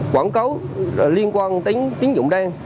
quảng cáo liên quan tính tín dụng đen